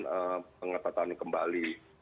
kita menangkap penyakit kembali